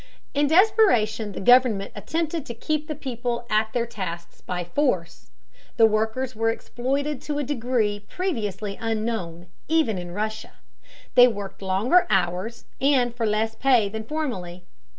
In desperation the government attempted to keep the people at their tasks by force. The workers were exploited to a degree previously unknown, even in Russia. They worked longer hours and for less pay than formerly.